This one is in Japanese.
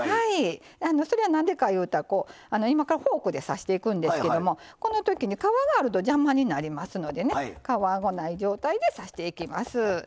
それは、なんでかいうたら今からフォークで刺していくんですけどこのときに皮があると邪魔になりますので皮がない状態で刺していきます。